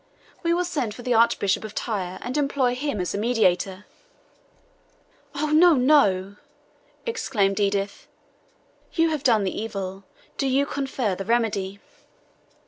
We will send for the Archbishop of Tyre, and employ him as a mediator." "Oh, no, no!" exclaimed Edith. "Go yourself madam; you have done the evil, do you confer the remedy."